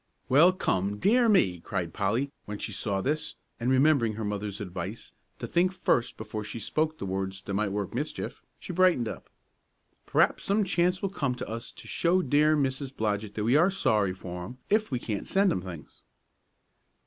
"Well, come, dear me," cried Polly, when she saw this, and, remembering her mother's advice, to think first before she spoke the words that might work mischief, she brightened up. "P'r'aps some chance will come to us to show dear Mrs. Blodgett that we are sorry for 'em, if we can't send 'em things."